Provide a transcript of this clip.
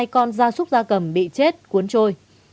ba bốn trăm bốn mươi hai con da súc da cầm bị chết cuốn trôi